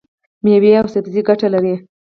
مېوې او سبزي ګټه لري.